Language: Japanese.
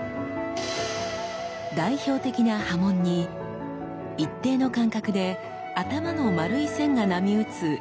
代表的な刃文に一定の間隔で頭の丸い線が波打つ